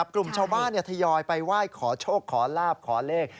กลุ่มชาวบ้านทยอยไปไหว้ขอโชคขอลาบขอเลข